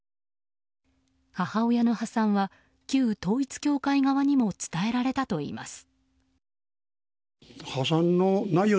母親の破産は旧統一教会側にも伝えられたといいます。